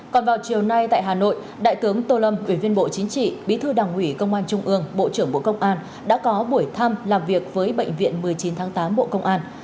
còn vào chiều nay tại hà nội đại tướng tô lâm ủy viên bộ chính trị bí thư đảng ủy công an trung ương bộ trưởng bộ công an đã có buổi thăm làm việc với bệnh viện một mươi chín tháng tám bộ công an